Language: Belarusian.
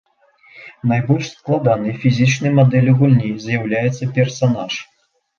Найбольш складанай фізічнай мадэллю гульні з'яўляецца персанаж.